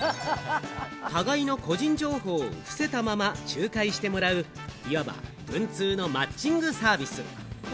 互いの個人情報を伏せたまま仲介してもらう、いわば文通のマッチングサービス。